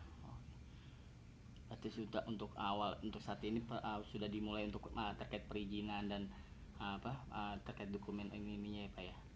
berarti sudah awal untuk saat ini sudah dimulai untuk terkait perizinan dan terkait dokumen mimi nya ya pak ya